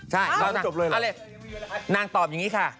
ใช่พอมาแล้วจบเลยเหรอเอาเลยนางตอบอย่างนี้ค่ะ